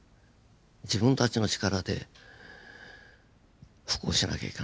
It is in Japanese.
自分たちの力で復興しなきゃいけない。